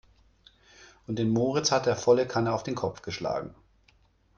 Und den Moritz hat er volle Kanne auf den Kopf geschlagen.